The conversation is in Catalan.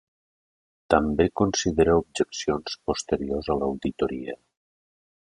També considera objeccions posteriors a l'auditoria.